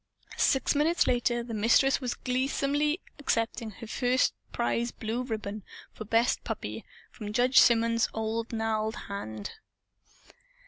Six minutes later the Mistress was gleesomely accepting the first prize blue ribbon, for "best puppy," from Judge Symonds' own gnarled hand.